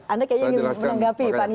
anda kayaknya ingin menanggapi pak nizar